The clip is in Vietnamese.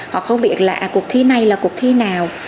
họ không biết là cuộc thi này là cuộc thi nào